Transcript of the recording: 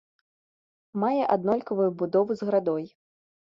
Мае аднолькавую будову з градой.